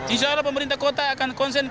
insya allah pemerintah kota akan konsen